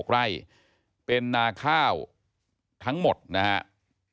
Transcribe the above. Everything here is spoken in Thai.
๖ไร่เป็นนาข้าวทั้งหมดนะครับ